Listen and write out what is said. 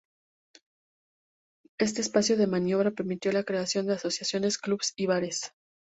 Este espacio de maniobra permitió la creación de asociaciones, clubs y bares.